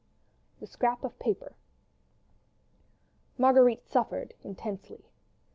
THE SCRAP OF PAPER Marguerite suffered intensely.